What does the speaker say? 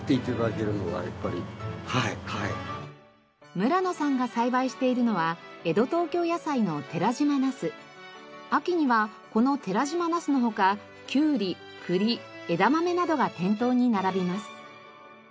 村野さんが栽培しているのは秋にはこの寺島ナスの他キュウリ栗枝豆などが店頭に並びます。